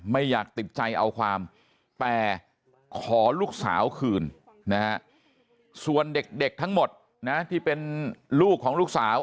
ไม่อยากติดใจเอาความแต่ขอลูกสาวคืนนะฮะส่วนเด็กทั้งหมดนะที่เป็นลูกของลูกสาว